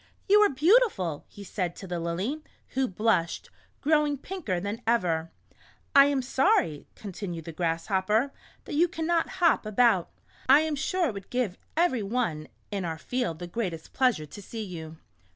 " You are beautiful," he said to the Lily, who blushed, growing pinker than ever. " I am sorry," continued the Grasshopper, " that you cannot hop about. I am sure it would give every one in our field the greatest pleasure to see you.